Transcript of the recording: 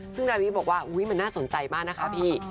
ซึ่งนาวีบอกว่าอุ๊ยมันน่าสนใจมากนะคะพี่